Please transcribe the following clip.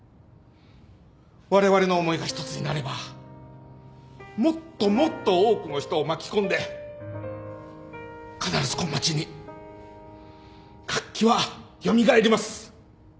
われわれの思いが一つになればもっともっと多くの人を巻き込んで必ずこん町に活気は蘇ります。